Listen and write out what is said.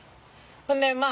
ほんでまあ